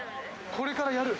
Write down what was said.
これからやる？